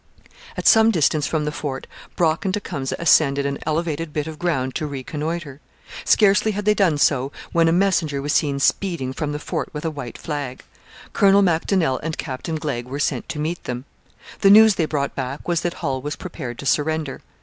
At some distance from the fort Brock and Tecumseh ascended an elevated bit of ground to reconnoitre. Scarcely had they done so when a messenger was seen speeding from the fort with a white flag. Colonel Macdonell and Captain Glegg were sent to meet him. The news they brought back was that Hull was prepared to surrender.